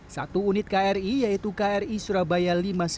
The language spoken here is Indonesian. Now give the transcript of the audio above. satu unit kri yaitu kri surabaya lima ratus sembilan puluh satu